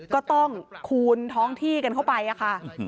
ก็ต้องคูณท้องที่กันเข้าไปค่ะ